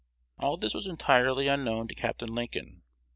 All this was entirely unknown to Capt. Lincoln.